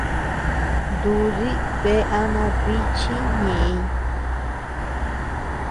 Dúdi bea ama bichi ñeʼëñ.